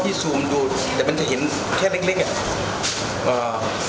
พี่ซูมดูแต่มันจะเห็นแค่เล็กเนี่ย